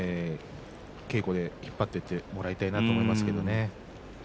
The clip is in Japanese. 稽古で引っ張っていっていると思いますけどね。